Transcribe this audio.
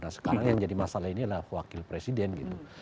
nah sekarang yang jadi masalah ini adalah wakil presiden gitu